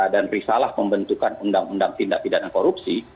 dan risalah pembentukan undang undang tindak pidana korupsi